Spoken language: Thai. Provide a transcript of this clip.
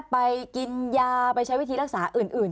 ไปกินยาไปใช้วิธีรักษาอื่น